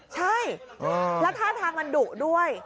ใช่แล้วท่าทางมันดุด้วย